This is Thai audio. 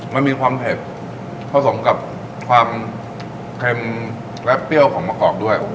มันมีความเผ็ดผสมกับความเค็มและเปรี้ยวของมะกอกด้วย